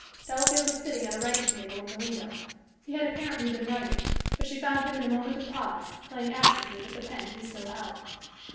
Delafield was sitting at a writing table in the window. He had apparently been writing; but she found him in a moment of pause, playing absently with the pen he still held.